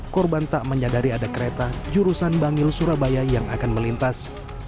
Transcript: korban tak menyadari ada kereta jurusan bangil surabaya yang akan melintas